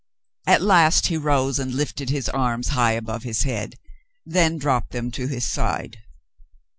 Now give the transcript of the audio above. At last he rose and lifted his arms high above his head, then dropped them to his side.